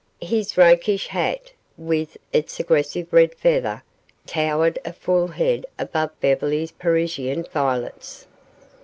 His rakish hat, with its aggressive red feather, towered a full head above Beverly's Parisian violets.